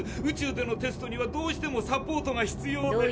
宇宙でのテストにはどうしてもサポートが必要で。